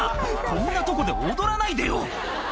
こんなとこで踊らないでよ！」